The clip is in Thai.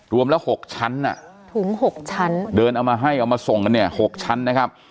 รวมแล้ว๖ชั้นอ่ะถุง๖ชั้นเดินเอามาให้เอามาส่งกันเนี่ย๖ชั้นนะครับ